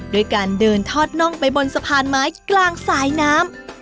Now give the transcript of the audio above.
ด้วยการเดินทอดน่องไปบนสะพานไม้กลางสายน้ำ